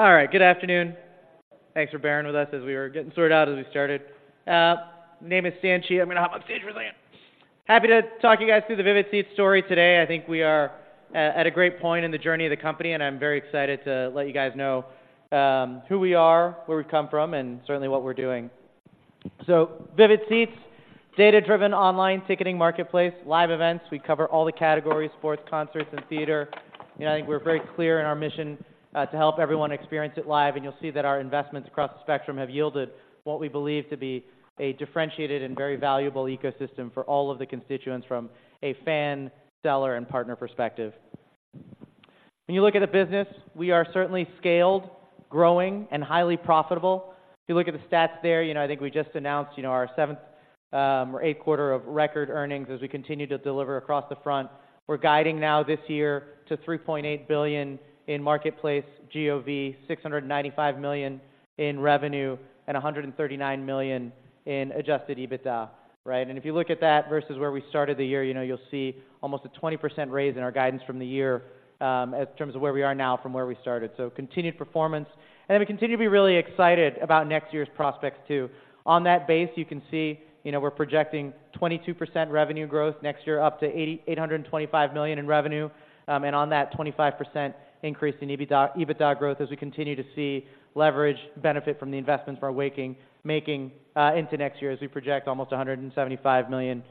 All right, good afternoon. Thanks for bearing with us as we were getting sorted out as we started. My name is Stan Chia. I'm gonna hop on stage real quick. Happy to talk you guys through the Vivid Seats story today. I think we are at a great point in the journey of the company, and I'm very excited to let you guys know who we are, where we've come from, and certainly what we're doing. So Vivid Seats, data-driven online ticketing marketplace, live events. We cover all the categories: sports, concerts, and theater. You know, I think we're very clear in our mission to help everyone experience it live, and you'll see that our investments across the spectrum have yielded what we believe to be a differentiated and very valuable ecosystem for all of the constituents from a fan, seller, and partner perspective. When you look at the business, we are certainly scaled, growing, and highly profitable. If you look at the stats there, you know, I think we just announced, you know, our seventh or eighth quarter of record earnings as we continue to deliver across the front. We're guiding now this year to $3.8 billion in marketplace GOV, $695 million in revenue, and $139 million in Adjusted EBITDA, right? And if you look at that versus where we started the year, you know, you'll see almost a 20% raise in our guidance from the year in terms of where we are now from where we started. So continued performance, and we continue to be really excited about next year's prospects, too. On that base, you can see, you know, we're projecting 22% revenue growth next year, up to $885 million in revenue. And on that, 25% increase in EBITDA, EBITDA growth as we continue to see leverage benefit from the investments we're making into next year as we project almost $175 million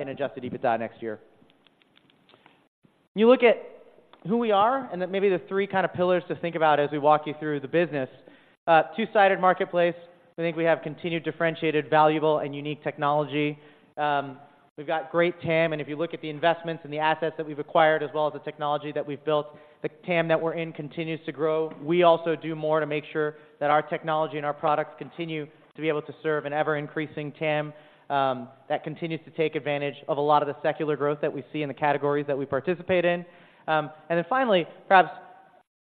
in adjusted EBITDA next year. You look at who we are and then maybe the three kind of pillars to think about as we walk you through the business. Two-sided marketplace. I think we have continued, differentiated, valuable, and unique technology. We've got great TAM, and if you look at the investments and the assets that we've acquired, as well as the technology that we've built, the TAM that we're in continues to grow. We also do more to make sure that our technology and our products continue to be able to serve an ever-increasing TAM, that continues to take advantage of a lot of the secular growth that we see in the categories that we participate in. And then finally, perhaps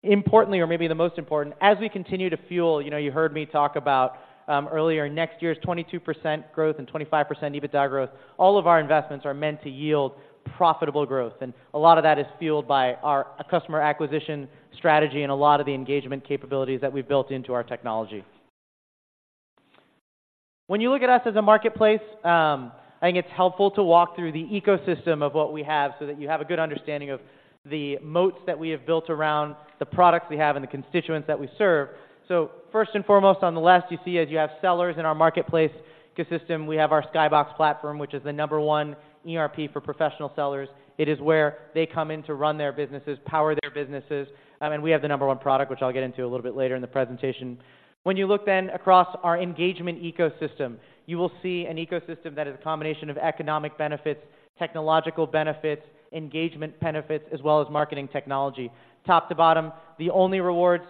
importantly or maybe the most important, as we continue to fuel... You know, you heard me talk about, earlier, next year's 22% growth and 25% EBITDA growth. All of our investments are meant to yield profitable growth, and a lot of that is fueled by our customer acquisition strategy and a lot of the engagement capabilities that we've built into our technology. When you look at us as a marketplace, I think it's helpful to walk through the ecosystem of what we have so that you have a good understanding of the moats that we have built around the products we have and the constituents that we serve. So first and foremost, on the left, you see as you have sellers in our marketplace ecosystem, we have our Skybox platform, which is the number one ERP for professional sellers. It is where they come in to run their businesses, power their businesses, and we have the number one product, which I'll get into a little bit later in the presentation. When you look then across our engagement ecosystem, you will see an ecosystem that is a combination of economic benefits, technological benefits, engagement benefits, as well as marketing technology. Top to bottom, the only rewards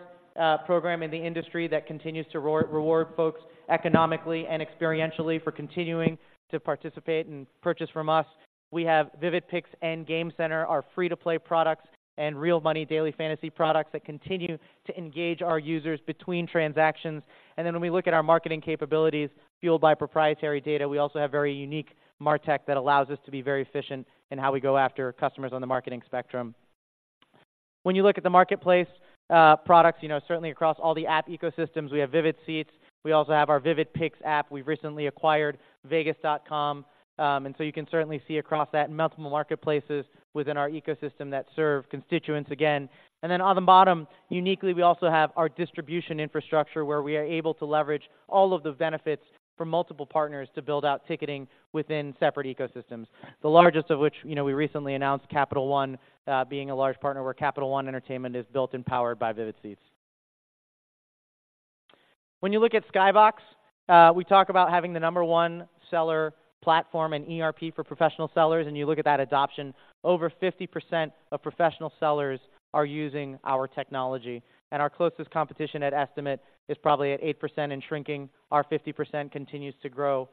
program in the industry that continues to reward folks economically and experientially for continuing to participate and purchase from us. We have Vivid Picks and Game Center, our free-to-play products and real money daily fantasy products that continue to engage our users between transactions. And then when we look at our marketing capabilities, fueled by proprietary data, we also have very unique martech that allows us to be very efficient in how we go after customers on the marketing spectrum. When you look at the marketplace products, you know, certainly across all the app ecosystems, we have Vivid Seats. We also have our Vivid Picks app. We've recently acquired Vegas.com. And so you can certainly see across that multiple marketplaces within our ecosystem that serve constituents again. And then on the bottom, uniquely, we also have our distribution infrastructure, where we are able to leverage all of the benefits from multiple partners to build out ticketing within separate ecosystems. The largest of which, you know, we recently announced Capital One being a large partner, where Capital One Entertainment is built and powered by Vivid Seats. When you look at Skybox, we talk about having the number one seller platform and ERP for professional sellers, and you look at that adoption, over 50% of professional sellers are using our technology, and our closest competition at estimate is probably at 8% and shrinking. Our 50% continues to grow.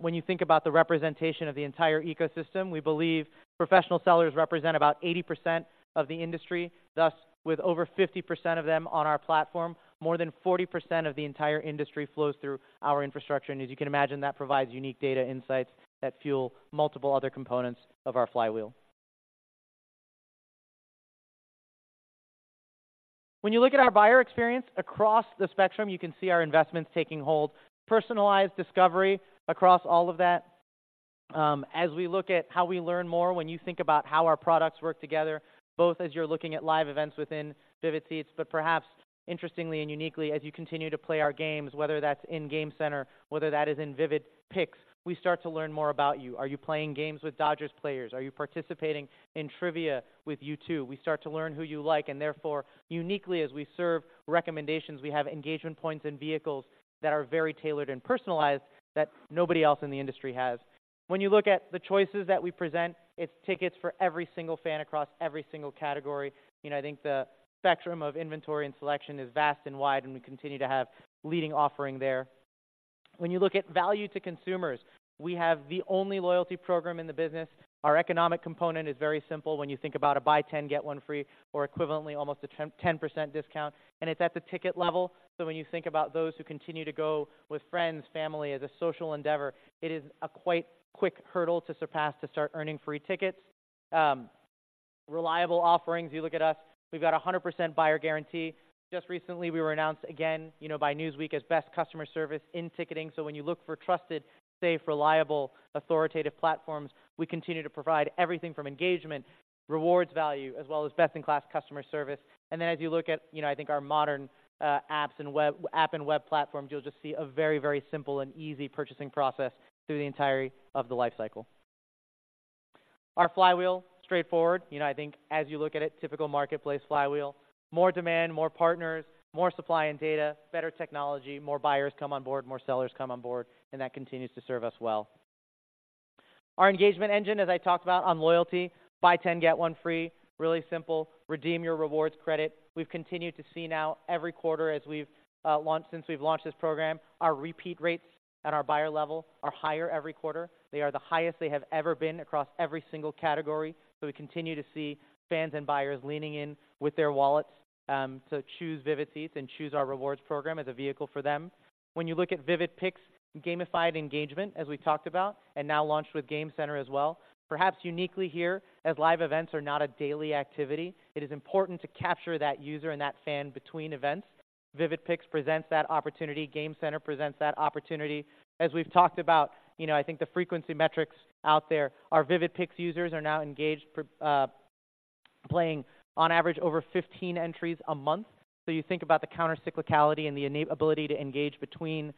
When you think about the representation of the entire ecosystem, we believe professional sellers represent about 80% of the industry, thus, with over 50% of them on our platform, more than 40% of the entire industry flows through our infrastructure. And as you can imagine, that provides unique data insights that fuel multiple other components of our flywheel. When you look at our buyer experience across the spectrum, you can see our investments taking hold. Personalized discovery across all of that. As we look at how we learn more, when you think about how our products work together, both as you're looking at live events within Vivid Seats, but perhaps interestingly and uniquely, as you continue to play our games, whether that's in Game Center, whether that is in Vivid Picks, we start to learn more about you. Are you playing games with Dodgers players? Are you participating in trivia with U2? We start to learn who you like and therefore, uniquely, as we serve recommendations, we have engagement points and vehicles that are very tailored and personalized that nobody else in the industry has. When you look at the choices that we present, it's tickets for every single fan across every single category. You know, I think the spectrum of inventory and selection is vast and wide, and we continue to have leading offering there. When you look at value to consumers, we have the only loyalty program in the business. Our economic component is very simple when you think about a buy ten, get one free, or equivalently almost a 10-10% discount, and it's at the ticket level. So when you think about those who continue to go with friends, family as a social endeavor, it is a quite quick hurdle to surpass to start earning free tickets. Reliable offerings. You look at us, we've got a 100% buyer guarantee. Just recently, we were announced again, you know, by Newsweek as best customer service in ticketing. So when you look for trusted, safe, reliable, authoritative platforms, we continue to provide everything from engagement, rewards value, as well as best-in-class customer service. And then as you look at, you know, I think our modern apps and web platforms, you'll just see a very, very simple and easy purchasing process through the entirety of the life cycle. Our flywheel, straightforward. You know, I think as you look at it, typical marketplace flywheel, more demand, more partners, more supply and data, better technology, more buyers come on board, more sellers come on board, and that continues to serve us well. Our engagement engine, as I talked about on loyalty, buy 10, get one free. Really simple. Redeem your rewards credit. We've continued to see now every quarter since we've launched this program, our repeat rates at our buyer level are higher every quarter. They are the highest they have ever been across every single category. So we continue to see fans and buyers leaning in with their wallets to choose Vivid Seats and choose our Rewards program as a vehicle for them. When you look at Vivid Picks, gamified engagement, as we talked about, and now launched with Game Center as well, perhaps uniquely here, as live events are not a daily activity, it is important to capture that user and that fan between events. Vivid Picks presents that opportunity. Game Center presents that opportunity. As we've talked about, you know, I think the frequency metrics out there, our Vivid Picks users are now engaged for, playing on average over 15 entries a month. So you think about the countercyclicality and the ability to engage between,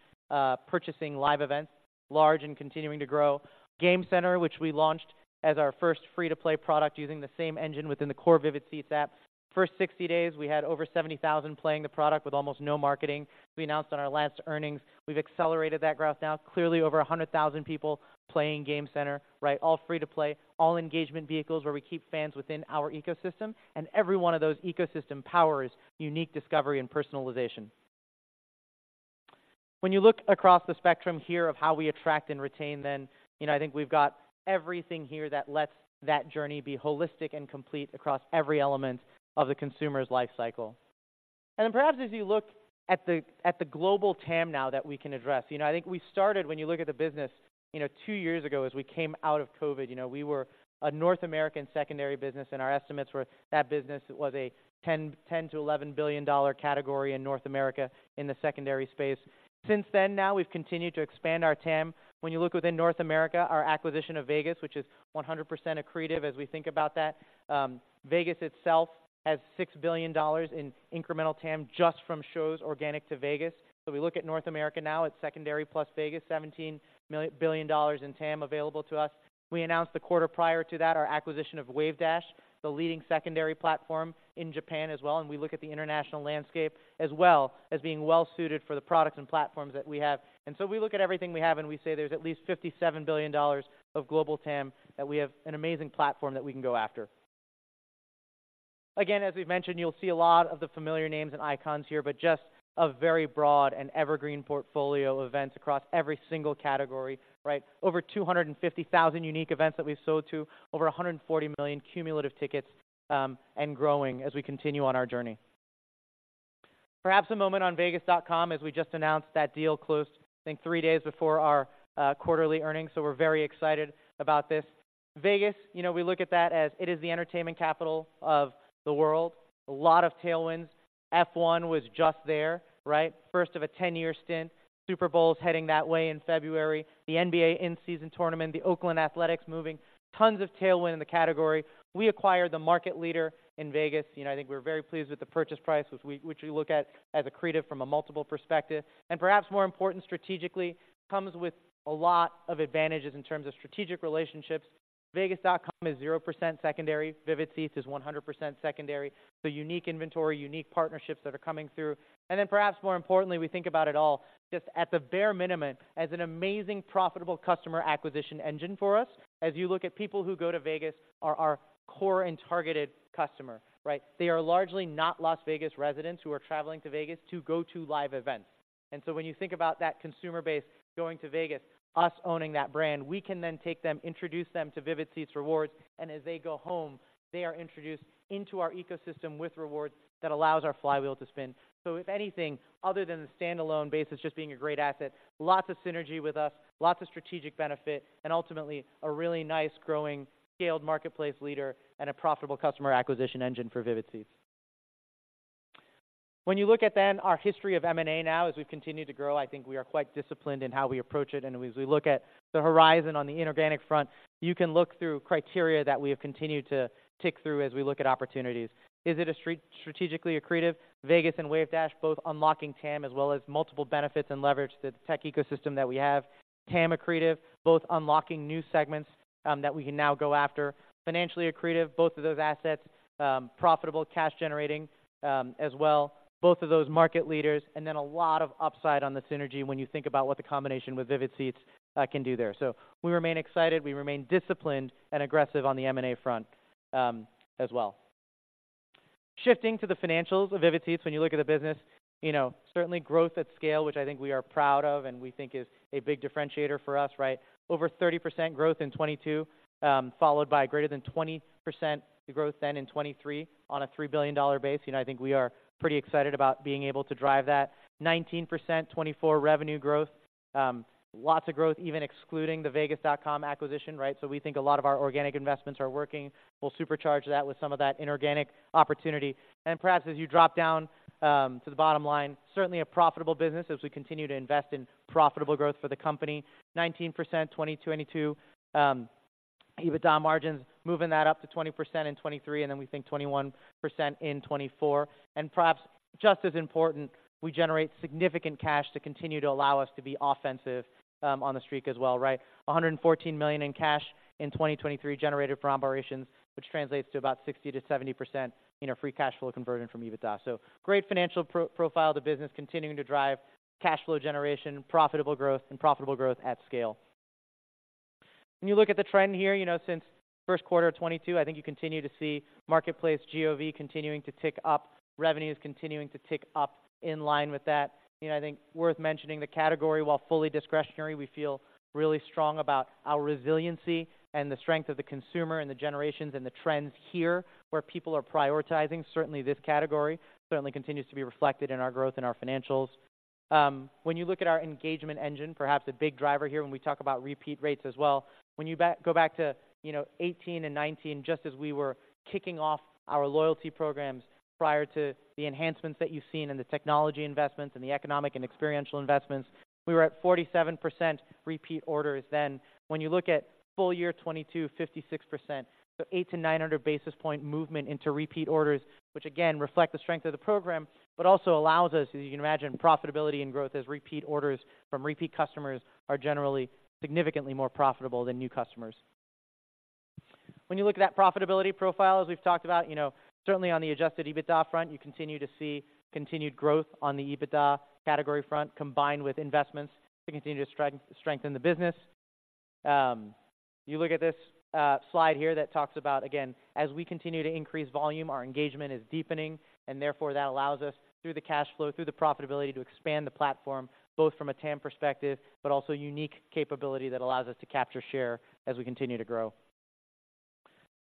purchasing live events, large and continuing to grow. Game Center, which we launched as our first free-to-play product, using the same engine within the core Vivid Seats app. First 60 days, we had over 70,000 playing the product with almost no marketing. We announced on our last earnings, we've accelerated that growth now, clearly over 100,000 people playing Game Center, right? All free to play, all engagement vehicles where we keep fans within our ecosystem, and every one of those ecosystem powers unique discovery and personalization. When you look across the spectrum here of how we attract and retain, then, you know, I think we've got everything here that lets that journey be holistic and complete across every element of the consumer's life cycle. Then perhaps as you look at the global TAM now that we can address, you know, I think we started when you look at the business, you know, two years ago, as we came out of COVID, you know, we were a North American secondary business, and our estimates were that business was a $10-$11 billion category in North America in the secondary space. Since then, now we've continued to expand our TAM. When you look within North America, our acquisition of Vegas, which is 100% accretive, as we think about that, Vegas itself has $6 billion in incremental TAM just from shows organic to Vegas. So we look at North America now, it's secondary plus Vegas, $17 billion in TAM available to us. We announced the quarter prior to that, our acquisition of Wavedash, the leading secondary platform in Japan as well, and we look at the international landscape as well as being well suited for the products and platforms that we have. And so we look at everything we have, and we say there's at least $57 billion of global TAM, that we have an amazing platform that we can go after. Again, as we've mentioned, you'll see a lot of the familiar names and icons here, but just a very broad and evergreen portfolio of events across every single category, right? Over 250,000 unique events that we've sold to, over 140 million cumulative tickets, and growing as we continue on our journey. Perhaps a moment on Vegas.com, as we just announced that deal closed, I think, three days before our quarterly earnings, so we're very excited about this. Vegas, you know, we look at that as it is the entertainment capital of the world. A lot of tailwinds. F1 was just there, right? First of a 10-year stint. Super Bowl's heading that way in February, the NBA In-Season Tournament, the Oakland Athletics moving. Tons of tailwind in the category. We acquired the market leader in Vegas. You know, I think we're very pleased with the purchase price, which we, which we look at as accretive from a multiple perspective, and perhaps more important strategically, comes with a lot of advantages in terms of strategic relationships. Vegas.com is 0% secondary. Vivid Seats is 100% secondary. So unique inventory, unique partnerships that are coming through. Then perhaps more importantly, we think about it all just at the bare minimum as an amazing, profitable customer acquisition engine for us. As you look at people who go to Vegas are our core and targeted customer, right? They are largely not Las Vegas residents who are traveling to Vegas to go to live events. And so when you think about that consumer base going to Vegas, us owning that brand, we can then take them, introduce them to Vivid Seats Rewards, and as they go home, they are introduced into our ecosystem with rewards that allows our flywheel to spin. So if anything, other than the standalone base, it's just being a great asset, lots of synergy with us, lots of strategic benefit, and ultimately a really nice, growing, scaled marketplace leader and a profitable customer acquisition engine for Vivid Seats. When you look at then our history of M&A now, as we've continued to grow, I think we are quite disciplined in how we approach it. And as we look at the horizon on the inorganic front, you can look through criteria that we have continued to tick through as we look at opportunities. Is it strategically accretive? Vegas and WaveDash, both unlocking TAM, as well as multiple benefits and leverage the tech ecosystem that we have. TAM accretive, both unlocking new segments, that we can now go after. Financially accretive, both of those assets, profitable, cash generating, as well, both of those market leaders, and then a lot of upside on the synergy when you think about what the combination with Vivid Seats can do there. So we remain excited, we remain disciplined and aggressive on the M&A front, as well. Shifting to the financials of Vivid Seats, when you look at the business, you know, certainly growth at scale, which I think we are proud of and we think is a big differentiator for us, right? Over 30% growth in 2022, followed by greater than 20% growth then in 2023 on a $3 billion base. You know, I think we are pretty excited about being able to drive that. 19% 2024 revenue growth, lots of growth, even excluding the Vegas.com acquisition, right? So we think a lot of our organic investments are working. We'll supercharge that with some of that inorganic opportunity. And perhaps as you drop down to the bottom line, certainly a profitable business as we continue to invest in profitable growth for the company. 19% 2022... EBITDA margins, moving that up to 20% in 2023, and then we think 21% in 2024. And perhaps just as important, we generate significant cash to continue to allow us to be offensive, on the streak as well, right? $114 million in cash in 2023, generated from operations, which translates to about 60%-70% in our free cash flow conversion from EBITDA. So great financial profile of the business, continuing to drive cash flow generation, profitable growth, and profitable growth at scale. When you look at the trend here, you know, since first quarter of 2022, I think you continue to see marketplace GOV continuing to tick up, revenue is continuing to tick up in line with that. You know, I think worth mentioning, the category, while fully discretionary, we feel really strong about our resiliency and the strength of the consumer and the generations and the trends here, where people are prioritizing. Certainly, this category certainly continues to be reflected in our growth and our financials. When you look at our engagement engine, perhaps a big driver here when we talk about repeat rates as well. When you go back to, you know, 2018 and 2019, just as we were kicking off our loyalty programs prior to the enhancements that you've seen and the technology investments and the economic and experiential investments, we were at 47% repeat orders then. When you look at full year 2022, 56%, so 800-900 basis point movement into repeat orders, which again, reflect the strength of the program, but also allows us, as you can imagine, profitability and growth as repeat orders from repeat customers are generally significantly more profitable than new customers. When you look at that profitability profile, as we've talked about, you know, certainly on the Adjusted EBITDA front, you continue to see continued growth on the EBITDA category front, combined with investments to continue to strengthen the business. You look at this slide here that talks about, again, as we continue to increase volume, our engagement is deepening, and therefore, that allows us, through the cash flow, through the profitability, to expand the platform, both from a TAM perspective, but also unique capability that allows us to capture share as we continue to grow.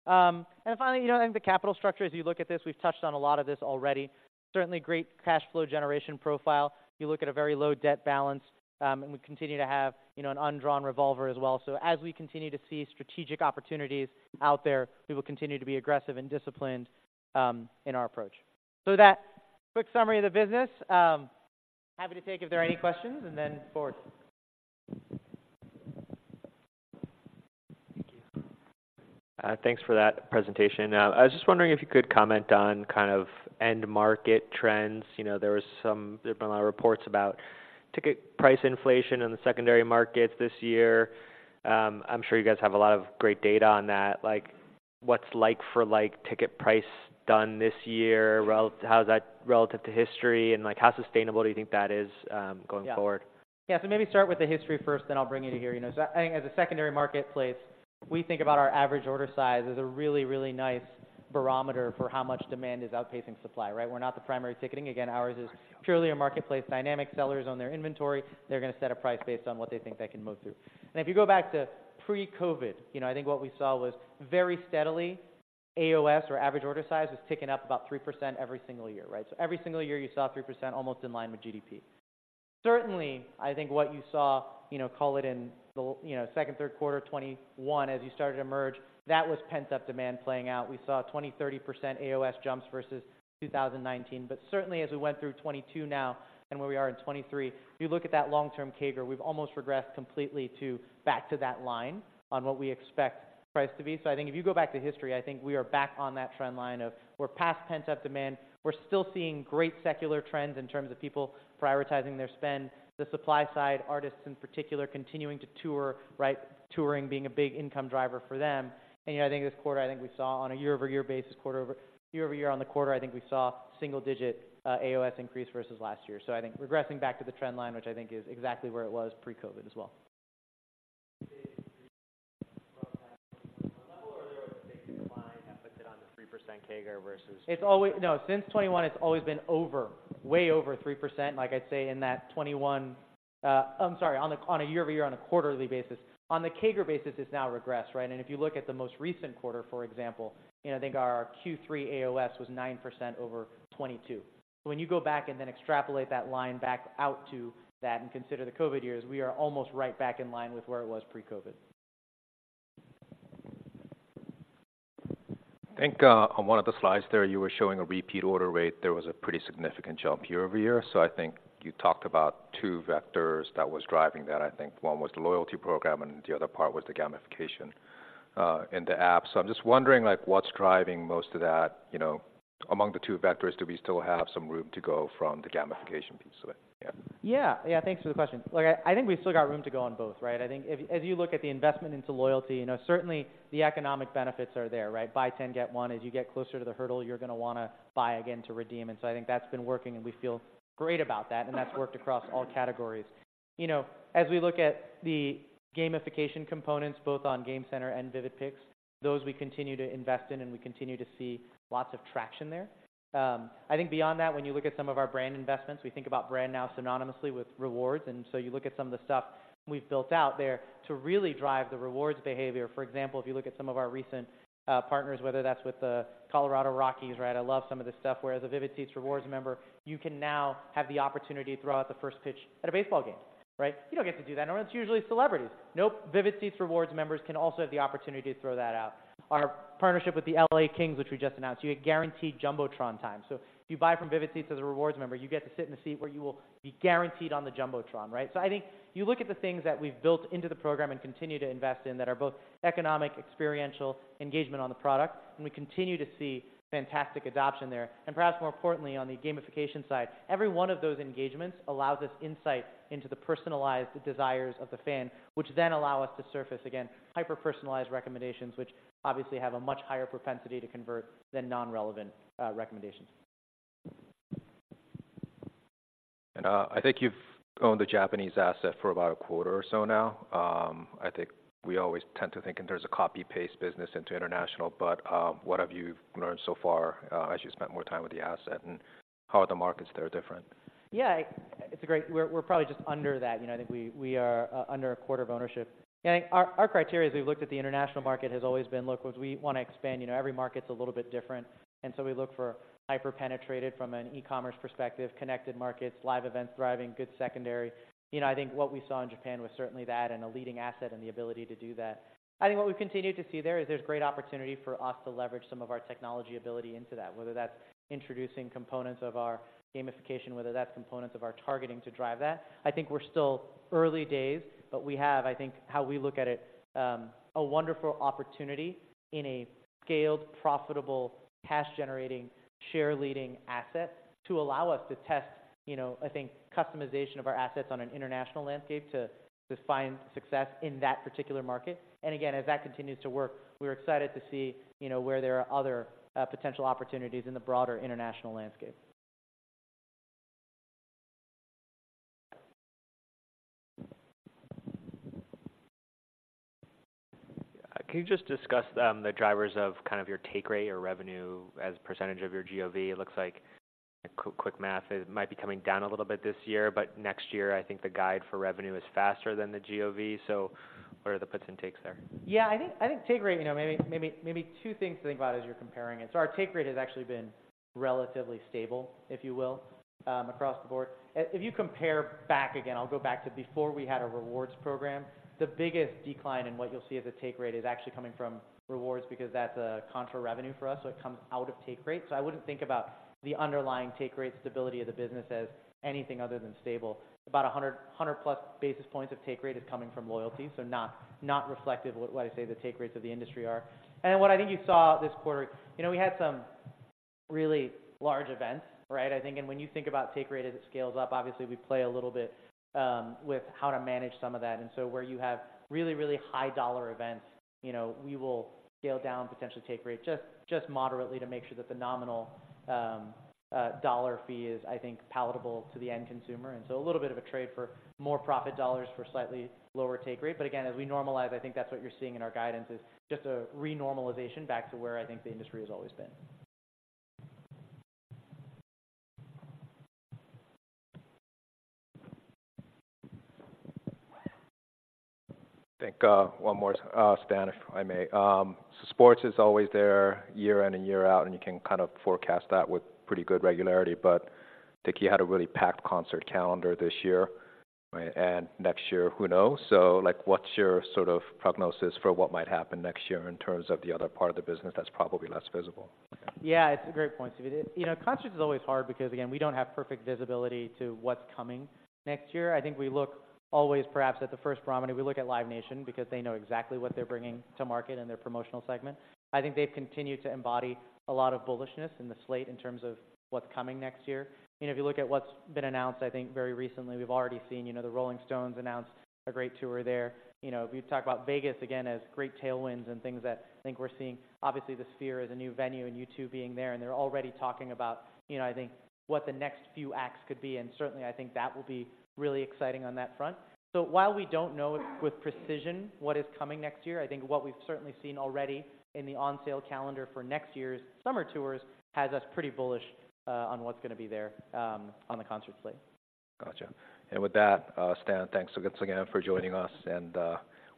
And finally, you know, I think the capital structure, as you look at this, we've touched on a lot of this already. Certainly, great cash flow generation profile. You look at a very low debt balance, and we continue to have, you know, an undrawn revolver as well. So as we continue to see strategic opportunities out there, we will continue to be aggressive and disciplined in our approach. So that quick summary of the business. Happy to take if there are any questions, and then forward. Thank you. Thanks for that presentation. I was just wondering if you could comment on kind of end market trends. You know, there's been a lot of reports about ticket price inflation in the secondary markets this year. I'm sure you guys have a lot of great data on that. Like, what's like for, like, ticket price done this year relative... How is that relative to history? And, like, how sustainable do you think that is, going forward? Yeah. So maybe start with the history first, then I'll bring you here. You know, so I think as a secondary marketplace, we think about our average order size as a really, really nice barometer for how much demand is outpacing supply, right? We're not the primary ticketing. Again, ours is purely a marketplace dynamic. Sellers own their inventory. They're gonna set a price based on what they think they can move through. And if you go back to pre-COVID, you know, I think what we saw was very steadily, AOS, or average order size, was ticking up about 3% every single year, right? So every single year, you saw 3% almost in line with GDP. Certainly, I think what you saw, you know, call it in the, you know, second, third quarter of 2021, as you started to emerge, that was pent-up demand playing out. We saw 20%-30% AOS jumps versus 2019. But certainly, as we went through 2022 now and where we are in 2023, you look at that long-term CAGR, we've almost regressed completely to back to that line on what we expect price to be. So I think if you go back to history, I think we are back on that trend line of we're past pent-up demand. We're still seeing great secular trends in terms of people prioritizing their spend. The supply side, artists in particular, continuing to tour, right? Touring being a big income driver for them. And, you know, I think this quarter, I think we saw on a year-over-year basis, quarter-over-year, year-over-year on the quarter, I think we saw single-digit AOS increase versus last year. I think regressing back to the trend line, which I think is exactly where it was pre-COVID as well. Or there was a big decline and put it on the 3% CAGR versus- It's always... No, since 2021, it's always been over, way over 3%. Like, I'd say, in that 2021, I'm sorry, on a, on a year-over-year, on a quarterly basis. On the CAGR basis, it's now regressed, right? And if you look at the most recent quarter, for example, you know, I think our Q3 AOS was 9% over 2022. So when you go back and then extrapolate that line back out to that and consider the COVID years, we are almost right back in line with where it was pre-COVID. I think, on one of the slides there, you were showing a repeat order rate. There was a pretty significant jump year-over-year. So I think you talked about two vectors that was driving that. I think one was the loyalty program, and the other part was the gamification in the app. So I'm just wondering, like, what's driving most of that, you know, among the two vectors, do we still have some room to go from the gamification piece of it? Yeah. Yeah. Yeah, thanks for the question. Look, I think we've still got room to go on both, right? I think if you... As you look at the investment into loyalty, you know, certainly the economic benefits are there, right? Buy 10, get one. As you get closer to the hurdle, you're gonna wanna buy again to redeem, and so I think that's been working, and we feel great about that, and that's worked across all categories. You know, as we look at the gamification components, both on Game Center and Vivid Picks, those we continue to invest in, and we continue to see lots of traction there. I think beyond that, when you look at some of our brand investments, we think about brand now synonymously with rewards. And so you look at some of the stuff we've built out there to really drive the rewards behavior. For example, if you look at some of our recent partners, whether that's with the Colorado Rockies, right? I love some of the stuff where as a Vivid Seats Rewards member, you can now have the opportunity to throw out the first pitch at a baseball game, right? You don't get to do that. No, it's usually celebrities. Nope. Vivid Seats Rewards members can also have the opportunity to throw that out. Our partnership with the LA Kings, which we just announced, you get guaranteed jumbotron time. So if you buy from Vivid Seats as a Rewards member, you get to sit in the seat where you will be guaranteed on the jumbotron, right? I think you look at the things that we've built into the program and continue to invest in that are both economic, experiential, engagement on the product, and we continue to see fantastic adoption there. Perhaps more importantly, on the gamification side, every one of those engagements allows us insight into the personalized desires of the fan, which then allow us to surface, again, hyper-personalized recommendations, which obviously have a much higher propensity to convert than non-relevant recommendations.... And, I think you've owned the Japanese asset for about a quarter or so now. I think we always tend to think, and there's a copy-paste business into international, but, what have you learned so far, as you spent more time with the asset, and how are the markets there different? Yeah, it's great. We're, we're probably just under that. You know, I think we, we are under a quarter of ownership. And our, our criteria as we've looked at the international market, has always been, look, which we want to expand. You know, every market's a little bit different, and so we look for hyper-penetrated from an e-commerce perspective, connected markets, live events thriving, good secondary. You know, I think what we saw in Japan was certainly that, and a leading asset and the ability to do that. I think what we've continued to see there is, there's great opportunity for us to leverage some of our technology ability into that, whether that's introducing components of our gamification, whether that's components of our targeting to drive that. I think we're still early days, but we have, I think, how we look at it, a wonderful opportunity in a scaled, profitable, cash-generating, share-leading asset to allow us to test, you know, I think, customization of our assets on an international landscape to, to find success in that particular market. And again, as that continues to work, we're excited to see, you know, where there are other potential opportunities in the broader international landscape. Can you just discuss the drivers of kind of your take rate or revenue as a percentage of your GOV? It looks like quick math, it might be coming down a little bit this year, but next year, I think the guide for revenue is faster than the GOV. So what are the puts and takes there? Yeah, I think take rate, you know, maybe two things to think about as you're comparing it. So our take rate has actually been relatively stable, if you will, across the board. If you compare back again, I'll go back to before we had a rewards program. The biggest decline in what you'll see as a take rate is actually coming from rewards because that's a contra revenue for us, so it comes out of take rate. So I wouldn't think about the underlying take rate stability of the business as anything other than stable. About 100, 100-plus basis points of take rate is coming from loyalty, so not reflective of what I say the take rates of the industry are. And what I think you saw this quarter, you know, we had some really large events, right? I think, and when you think about Take Rate as it scales up, obviously, we play a little bit with how to manage some of that. And so where you have really, really high dollar events, you know, we will scale down potentially Take Rate, just, just moderately to make sure that the nominal dollar fee is, I think, palatable to the end consumer. And so a little bit of a trade for more profit dollars for slightly lower Take Rate. But again, as we normalize, I think that's what you're seeing in our guidance, is just a renormalization back to where I think the industry has always been. I think, one more, Stan, if I may. So, sports is always there, year in and year out, and you can kind of forecast that with pretty good regularity. But I think you had a really packed concert calendar this year, right? And next year, who knows? So, like, what's your sort of prognosis for what might happen next year in terms of the other part of the business that's probably less visible? Yeah, it's a great point. You know, concert is always hard because, again, we don't have perfect visibility to what's coming next year. I think we look always perhaps at the first parameter. We look at Live Nation because they know exactly what they're bringing to market in their promotional segment. I think they've continued to embody a lot of bullishness in the slate in terms of what's coming next year. You know, if you look at what's been announced, I think very recently, we've already seen, you know, the Rolling Stones announce a great tour there. You know, if you talk about Vegas, again, as great tailwinds and things that I think we're seeing, obviously, the Sphere is a new venue and U2 being there, and they're already talking about, you know, I think what the next few acts could be, and certainly, I think that will be really exciting on that front. So while we don't know with precision what is coming next year, I think what we've certainly seen already in the on-sale calendar for next year's summer tours has us pretty bullish on what's going to be there on the concert slate. Gotcha. With that, Stan, thanks once again for joining us, and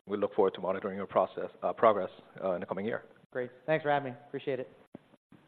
we look forward to monitoring your progress in the coming year. Great. Thanks for having me. Appreciate it.